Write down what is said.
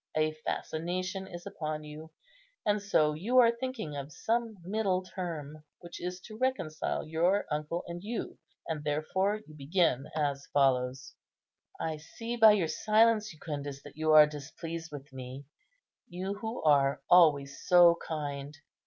a fascination is upon you; and so you are thinking of some middle term, which is to reconcile your uncle and you; and therefore you begin as follows:— "I see by your silence, Jucundus, that you are displeased with me, you who are always so kind.